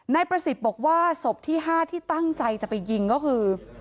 นายประสิทธิ์บอกว่าศพที่๕ที่ตั้งใจจะไปยิงก็คือ